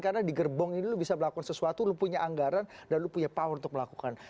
karena di gerbong ini lu bisa melakukan sesuatu lu punya anggaran dan lu punya power untuk melakukan